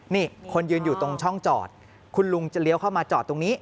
นี่คนยืนอยู่ตรงช่องจอดคุณลุงจะเลี้ยวเข้ามาจอดตรงนี้